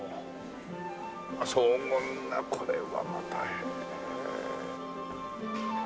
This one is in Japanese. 荘厳なこれはまた。